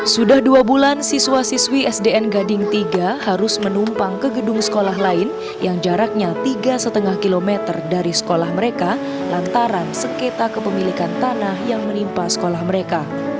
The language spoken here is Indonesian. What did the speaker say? sudah dua bulan siswa siswi sdn gading tiga harus menumpang ke gedung sekolah lain yang jaraknya tiga lima km dari sekolah mereka lantaran sengketa kepemilikan tanah yang menimpa sekolah mereka